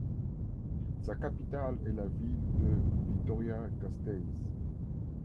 Sa capitale est la ville de Vitoria-Gasteiz.